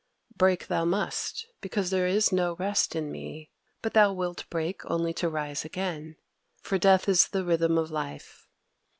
Break thou must, because there is no rest in me; but thou wilt break only to rise again, for death is the Rhythm of Life.